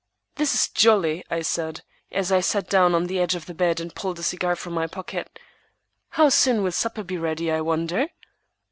"This is jolly," I said, as I sat down on the edge of the bed and pulled a cigar from my pocket. "How soon will supper be ready, I wonder?"